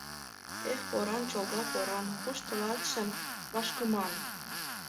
Эх, поран, чолга поран, Куш тылатше вашкыман?